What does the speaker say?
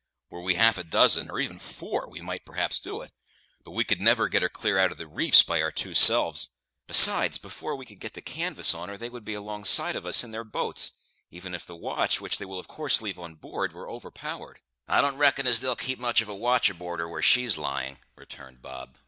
Were we half a dozen, or even four, we might perhaps do it; but we could never get her out clear of the reefs by our two selves. Besides, before we could get the canvas on her, they would be alongside of us in their boats, even if the watch, which they will of course leave on board, were overpowered." "I don't reckon as they'll keep much of a watch aboard her where she's lying," returned Bob.